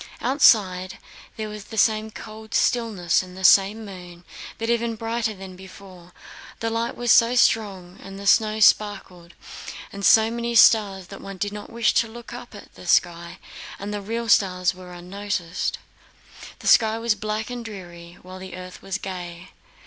Outside, there was the same cold stillness and the same moon, but even brighter than before. The light was so strong and the snow sparkled with so many stars that one did not wish to look up at the sky and the real stars were unnoticed. The sky was black and dreary, while the earth was gay.